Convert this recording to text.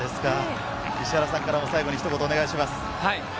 石原さんからも最後ひと言お願いします。